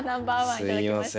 すいません。